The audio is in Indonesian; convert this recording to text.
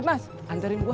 mas anterin gua